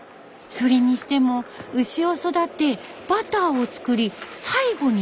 それにしても牛を育てバターを作り最後にチーズ。